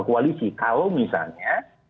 koalisi kalau misalnya